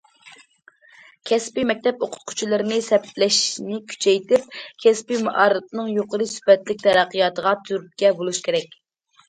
كەسپىي مەكتەپ ئوقۇتقۇچىلىرىنى سەپلەشنى كۈچەيتىپ، كەسپىي مائارىپنىڭ يۇقىرى سۈپەتلىك تەرەققىياتىغا تۈرتكە بولۇش كېرەك.